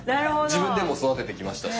自分でも育ててきましたし。